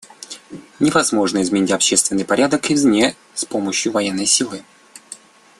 Невозможно изменить общественный порядок извне с помощью военной силы.